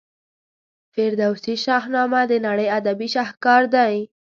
فردوسي شاهنامه د نړۍ ادبي شهکار دی.